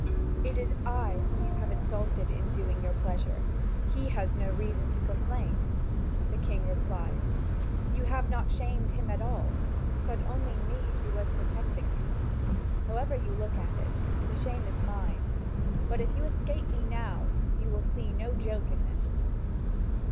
"It is I whom you have insulted in doing your pleasure. He has no reason to complain," the king replies; "you have not shamed him at all, but only me who was protecting him. However you look at it, the shame is mine. But if you escape me now, you will see no joke in this."